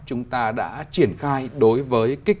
chúng ta đã triển khai đối với